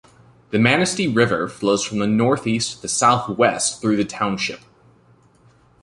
The Manistee River flows from the northeast to the southwest through the township.